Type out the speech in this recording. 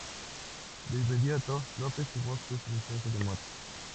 De inmediato, López firmó su sentencia de muerte.